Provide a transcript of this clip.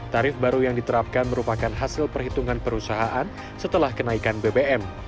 tarif baru yang diterapkan merupakan hasil perhitungan perusahaan setelah kenaikan bbm